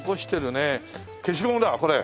消しゴムだこれ。